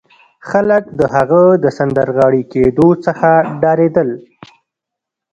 خلک د هغه د سندرغاړي کېدو څخه ډارېدل